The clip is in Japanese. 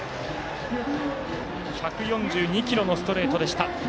１４２キロのストレートでした。